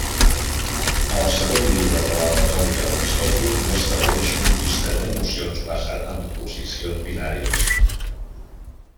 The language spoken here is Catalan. El segon llibre de la Retòrica d'Aristòtil ja estableix un llistat d'emocions basat en oposicions binàries.